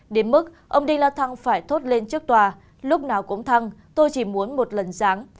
đến mức ông đi la thăng phải thốt lên trước tòa lúc nào cũng thăng tôi chỉ muốn một lần giáng